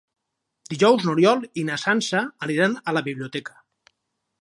Dijous n'Oriol i na Sança aniran a la biblioteca.